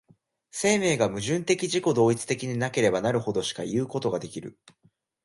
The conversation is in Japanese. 生命が矛盾的自己同一的なればなるほどしかいうことができる。